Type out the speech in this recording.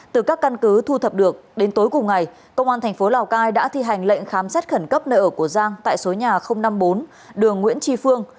từ các căn cứ thu thập được đến tối cùng ngày công an thành phố lào cai đã thi hành lệnh khám xét khẩn cấp nơi ở của giang tại số nhà năm mươi bốn đường nguyễn tri phương